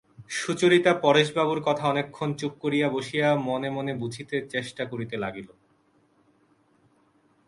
সুচরিতা পরেশবাবুর কথা অনেকক্ষণ চুপ করিয়া বসিয়া মনে মনে বুঝিতে চেষ্টা করিতে লাগিল।